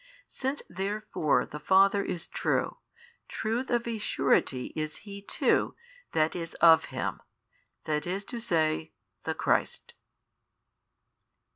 Since therefore the Father is True, Truth of a surety is He too That is of Him, i. e., the Christ.